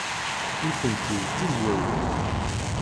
Nitenti d Tizwawin.